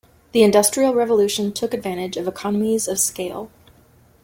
The industrial revolution took advantage of economies of scale.